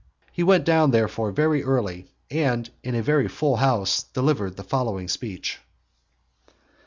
He went down therefore very early, and, in a very full house, delivered the following speech.